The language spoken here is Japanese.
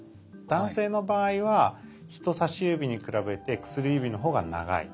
男性の場合は人差し指に比べて薬指のほうが長い。